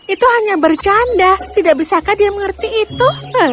itu hanya bercanda tidak bisakah dia mengerti itu